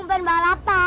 iya dipuin balapan